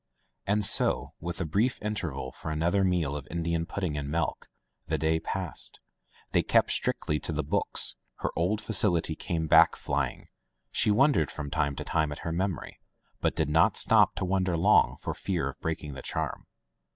And so, with a brief interval for another meal of Indian pudding and milk, the day passed. They kept strictly to the books. Her old facility came back flying — she wondered from time to time at her memory, but did not stop to wonder long for fear of breaking the charm.